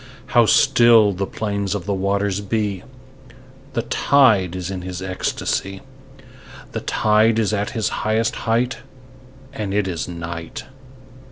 How still the plains of the waters be! The tide is in his ecstasy. The tide is at his highest height: And it is night.